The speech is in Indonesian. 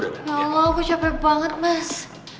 ya allah aku capek banget mas